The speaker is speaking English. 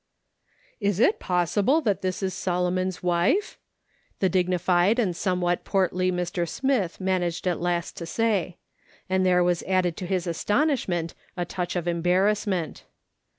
" Is it possible that it is Solomon's wife ?" the dignified and somewhat portly Mr. Smith managed at last to say ; and there was added to his astonish ment a touch of embarrassment.